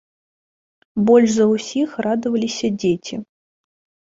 Больш за ўсіх радаваліся дзеці.